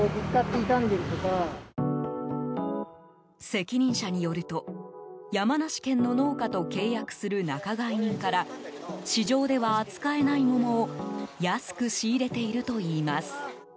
責任者によると、山梨県の農家と契約する仲買人から市場では扱えない桃を安く仕入れているといいます。